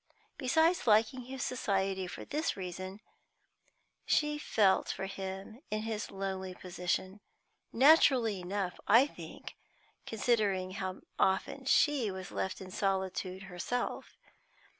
Besides liking his society for this reason, she felt for him in his lonely position; naturally enough, I think, considering how often she was left in solitude herself.